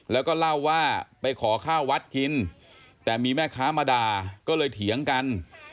แล้วก็เล่าว่าไปขอข้าววัดกินแต่มีแม่ค้ามาด่าก็เลยเถียงกัน